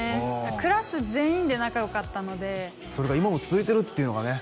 クラス全員で仲よかったのでそれが今も続いてるっていうのがね